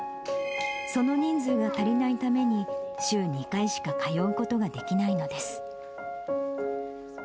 その人数が足りないために、週２回しか通うことができないのです。